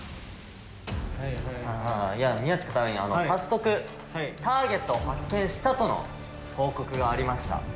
早速ターゲットを発見したとの報告がありました。